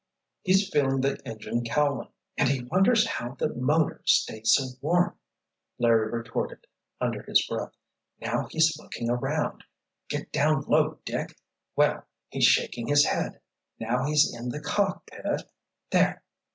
"He's feeling the engine cowling—he wonders how the motor stayed so warm," Larry retorted under his breath. "Now he's looking around—get down low, Dick—well, he's shaking his head. Now he's in the cockpit. There!